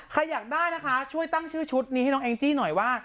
อยากได้นะคะช่วยตั้งชื่อชุดนี้ให้น้องแองจี้หน่อยว่า